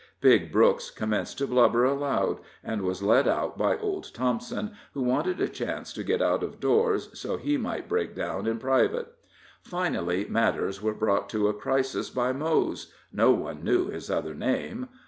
Big Brooks commenced to blubber aloud, and was led out by old Thompson, who wanted a chance to get out of doors so he might break down in private. Finally matters were brought to a crisis by Mose no one knew his other name.